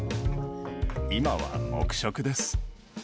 今は黙食です。